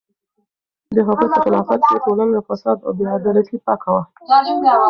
د هغوی په خلافت کې ټولنه له فساد او بې عدالتۍ پاکه وه.